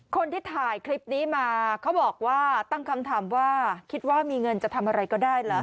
คนที่ถ่ายคลิปนี้มาเขาบอกว่าตั้งคำถามว่าคิดว่ามีเงินจะทำอะไรก็ได้เหรอ